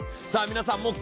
さあ皆さん